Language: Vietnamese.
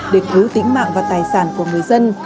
để cứu tính mạng và tài sản của người dân